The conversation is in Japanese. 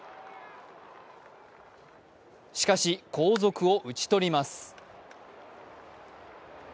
しかし、後続を打ち取ります。